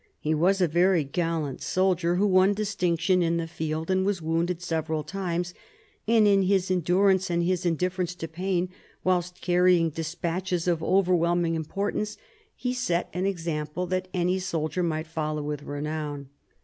He was a very gallant soldier, who won distinction in the field and was wounded several times; and in his endurance and his indifference to pain whilst carrying despatches of overwhelming importance he set an example that any soldier might follow with renown.